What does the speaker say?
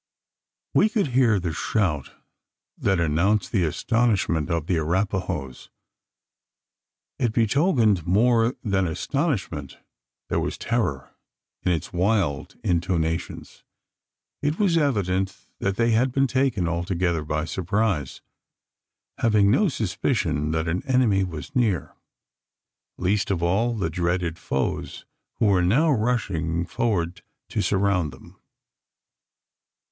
We could hear the shout that announced the astonishment of the Arapahoes. It betokened more than astonishment; there was terror in its wild intonations. It was evident that they had been taken altogether by surprise; having no suspicion that an enemy was near least of all the dreaded foes who were now rushing forward to surround them.